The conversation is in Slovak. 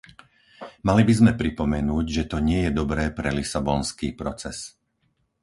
Mali by sme pripomenúť, že to nie je dobré pre lisabonský proces.